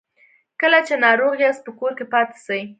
کله چې ناروغ یاست په کور کې پاتې سئ